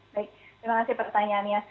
baik terima kasih pertanyaannya